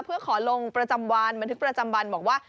เพื่อขอลงประจำวันบันทึกประจำวันบอกว่า